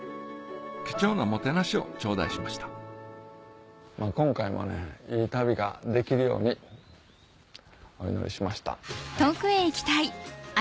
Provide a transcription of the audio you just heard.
貴重なもてなしを頂戴しました今回もねいい旅ができるようにお祈りしました。